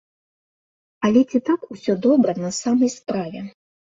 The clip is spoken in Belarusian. Але ці так усё добра на самай справе?